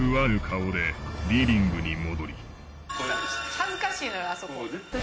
恥ずかしいのよあそこ。